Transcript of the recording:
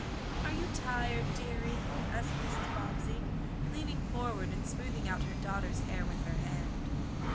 "Are you tired, dearie?" asked Mrs. Bobbsey, leaning forward and smoothing out her daughter's hair with her hand.